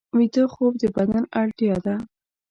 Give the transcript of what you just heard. ویده خوب د بدن اړتیا ده